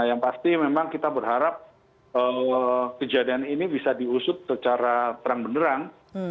yang pasti memang kita berharap kejadian ini bisa diusut secara terang benderang